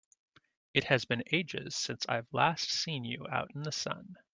It has been ages since I've last seen you out in the sun!